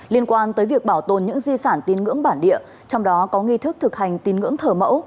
liên quan tới việc bảo tồn những di sản tin ngưỡng bản địa trong đó có nghi thức thực hành tín ngưỡng thờ mẫu